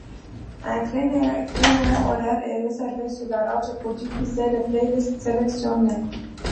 Un créneau horaire est réservé sur la radio pour diffuser les playlists sélectionnées.